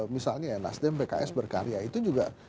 misalnya ya nasdem pks berkarya itu juga